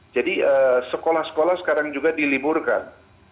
jadi sekolah sekolah sekarang juga diliburkan